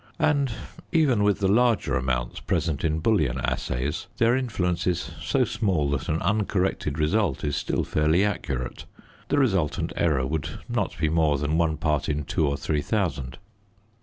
And even with the larger amounts present in bullion assays their influence is so small that an uncorrected result is still fairly accurate; the resultant error would not be more than one part in two or three thousand.